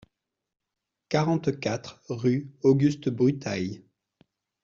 quarante-quatre rue Auguste Brutails